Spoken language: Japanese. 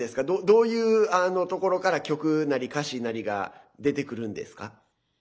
どういうところから曲なり歌詞なりが出てくるんですか？